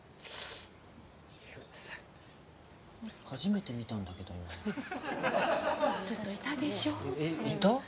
初めて見たんだけど今の人。